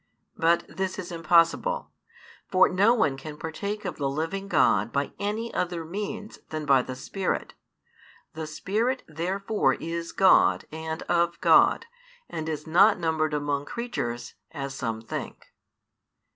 But this is impossible: for no one can partake of the living God by any other means than by the Spirit. The Spirit therefore is God and of |331 God, and is not numbered among creatures, as some think.